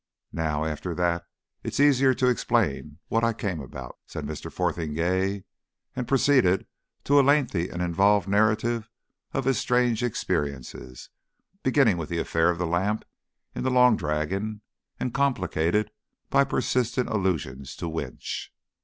"Now, after that it's easier to explain what I came about," said Mr. Fotheringay; and proceeded to a lengthy and involved narrative of his strange experiences, beginning with the affair of the lamp in the Long Dragon and complicated by persistent allusions to Winch.